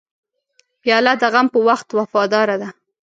پیاله د غم په وخت وفاداره ده.